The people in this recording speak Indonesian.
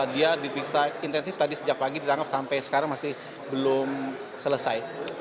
dia diperiksa intensif tadi sejak pagi ditangkap sampai sekarang masih belum selesai